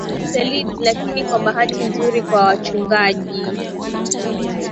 mustelids lakini kwa bahati nzuri kwa wachungaji